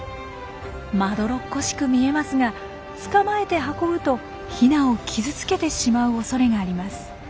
まどろっこしく見えますが捕まえて運ぶとヒナを傷つけてしまうおそれがあります。